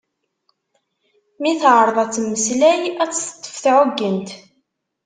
Mi teɛreḍ ad temmeslay ad tt-teṭṭef tɛuggent.